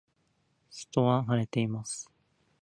外は晴れています。